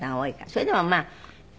それでもまあ。